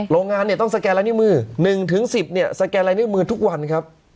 โรงงานเนี่ยต้องสแกนลายนิ้วมือ๑๑๐เนี่ยสแกนลายนิ้วมือทุกวันครับ